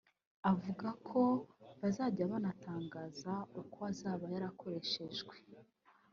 avuga ko bazajya banatangaza uko azaba yarakoreshejwe